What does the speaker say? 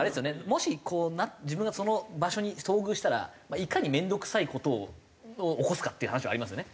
もしこう自分がその場所に遭遇したらいかに面倒くさい事を起こすかっていう話はありますよね。